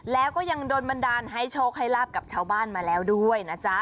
แล้วก็ยังโดนบันดาลให้โชคให้ลาบกับชาวบ้านมาแล้วด้วยนะจ๊ะ